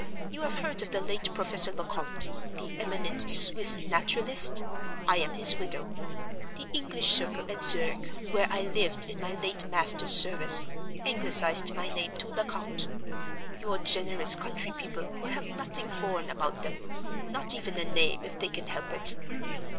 You have heard of the late Professor Lecomte, the eminent Swiss naturalist? I am his widow. The English circle at Zurich (where I lived in my late master's service) Anglicized my name to Lecount. Your generous country people will have nothing foreign about them—not even a name, if they can help it.